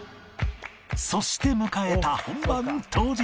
そして迎えた本番当日